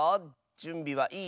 じゅんびはいい？